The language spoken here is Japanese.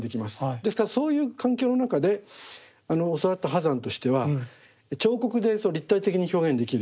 ですからそういう環境の中で教わった波山としては彫刻で立体的に表現できる。